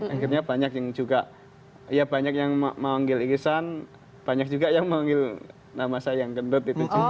akhirnya banyak yang juga ya banyak yang memanggil ingkisan banyak juga yang memanggil nama saya yang kendut itu juga